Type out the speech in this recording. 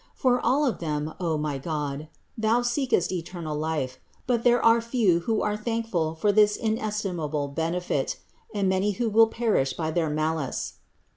For all of them, O my God, Thou seekest eternal life; but there are few who are thankful for this inestimable benefit, and many who will perish by their malice.